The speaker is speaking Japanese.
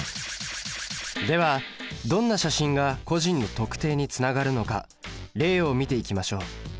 ではどんな写真が個人の特定につながるのか例を見ていきましょう。